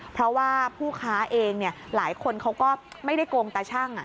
เพราะว่าผู้ค้าเองหลายคนเขาก็ไม่ได้โกงตาชั่ง